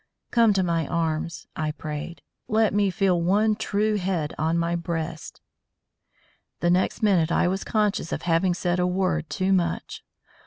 "Come to my arms!" I prayed. "Let me feel one true head on my breast." The next minute I was conscious of having said a word too much.